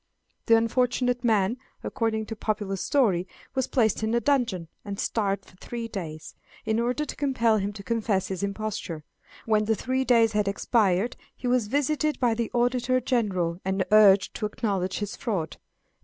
The unfortunate man, according to popular story, was placed in a dungeon, and starved for three days, in order to compel him to confess his imposture. When the three days had expired he was visited by the Auditor General, and urged to acknowledge his fraud.